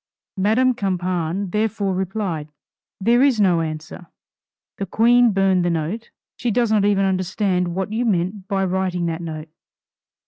Madame Campan therefore replied, "There is no answer, the Queen burned the note. She does not even understand what you meant by writing that note."